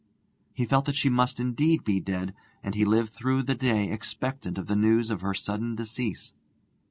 He felt that she must indeed be dead, and he lived through the day expectant of the news of her sudden decease.